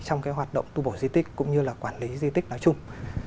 trong cái hoạt động tu bổ di tích cũng như là quản lý di tích nói chung